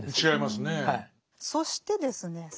そしてですね